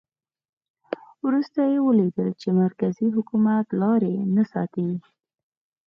وروسته یې ولیدل چې مرکزي حکومت لاري نه ساتي.